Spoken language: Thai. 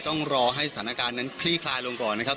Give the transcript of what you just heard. ต้องรอให้สถานการณ์นั้นคลี่คลายลงก่อนนะครับ